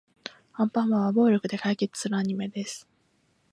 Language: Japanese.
アンパンマンは暴力で解決するアニメです。